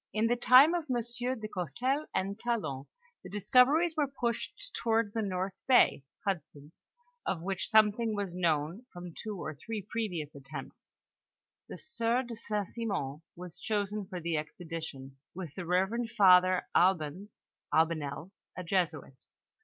In the time of M. de Gourcelles and Talon, the discoveries were pushed toward the north bay (Hudson's), of which something was known from two or three previous attempts. The sieur de St. Simon was chosen for the expedition, with the reverend father Albanes (Albanel), a Jesuit.